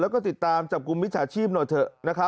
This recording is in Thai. แล้วก็ติดตามจับกลุ่มมิจฉาชีพหน่อยเถอะ